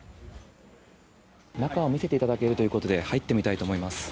中を見せていただけるということで入ってみます。